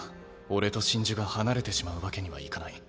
俺と真珠が離れてしまうわけにはいかない。